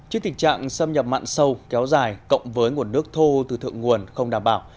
trước tình trạng xâm nhập mặn sâu kéo dài cộng với nguồn nước thô từ thượng nguồn không đảm bảo